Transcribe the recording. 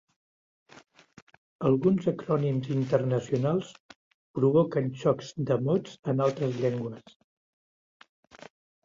Alguns acrònims internacionals provoquen xocs de mots en altres llengües.